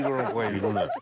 いるね。